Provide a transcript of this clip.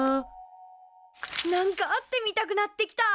なんか会ってみたくなってきた。